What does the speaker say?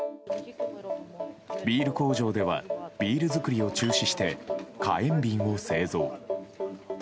ビール工場ではビール造りを中止して火炎瓶を製造。